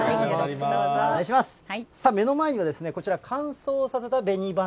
目の前にはこちら、乾燥させたべに花。